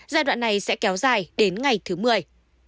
giai đoạn này sẽ kéo dài đến ngày thứ mười